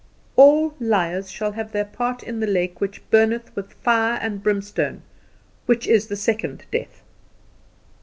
"All liars shall have their part in the lake which burneth with fire and brimstone, which is the second death."